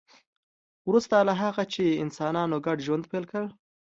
وروسته له هغه چې انسانانو ګډ ژوند پیل کړ